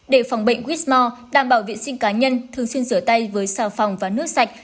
để phòng bệnh quýt mò đảm bảo viện sinh cá nhân thường xuyên rửa tay với xào phòng và nước sạch